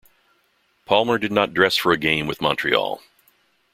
Palmer did not dress for a game with Montreal.